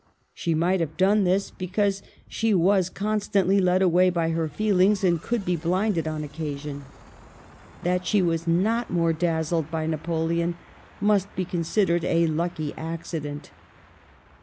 She might have done this, because she was constantly led away by her feel ings, and could be blind on occasion. That she was not more dazzled by Napoleon must be con sidered a lucky accident.